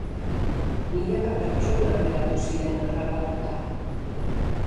Milaka pertsona geratu ziren harrapatuta.